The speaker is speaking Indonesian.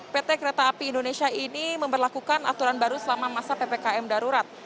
pt kereta api indonesia ini memperlakukan aturan baru selama masa ppkm darurat